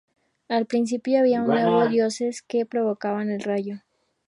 Al principio, había nueve dioses que provocaban el rayo.